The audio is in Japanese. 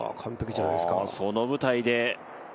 その舞台で。